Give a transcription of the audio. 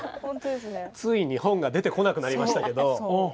ついに本が出てこなくなりましたけど。